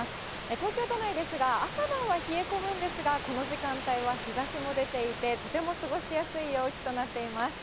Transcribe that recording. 東京都内ですが、朝晩は冷え込むんですが、この時間帯は日ざしも出ていて、とても過ごしやすい陽気となっています。